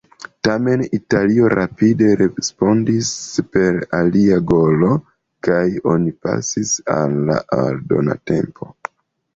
Tamen, Italio rapide respondis per alia golo, kaj oni pasis al la aldona tempo.